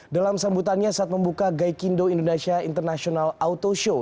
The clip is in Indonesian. dalam sambutannya saat membuka gaikindo indonesia international auto show